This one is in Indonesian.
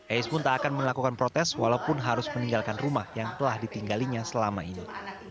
ais pun tak akan melakukan protes walaupun harus meninggalkan rumah yang telah ditinggalinya selama ini